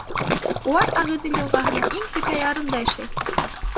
Улар Ағиҙел йылғаһының иң текә ярында йәшәй.